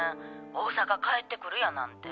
大阪帰ってくるやなんて」